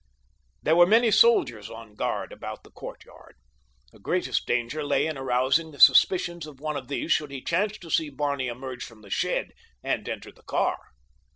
There were many soldiers on guard about the courtyard. The greatest danger lay in arousing the suspicions of one of these should he chance to see Barney emerge from the shed and enter the car.